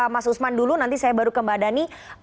mas usman dulu nanti saya baru kembadani